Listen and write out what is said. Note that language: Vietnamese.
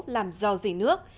làm do dị nước